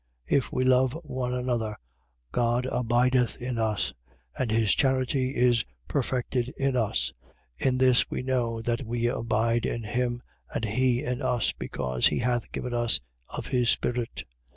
If we love one another, God abideth in us: and his charity is perfected in us. 4:13. In this we know that we abide in him, and he in us: because he hath given us of his spirit.